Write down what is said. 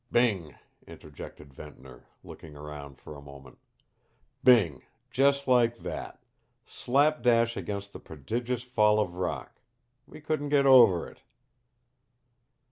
"Bing!" interjected Ventnor, looking around for a moment. "Bing just like that. Slap dash against a prodigious fall of rock. We couldn't get over it."